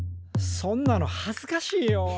そんなの恥ずかしいよ。